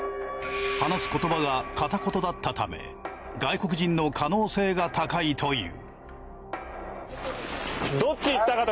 話す言葉が片言だったため外国人の可能性が高いという。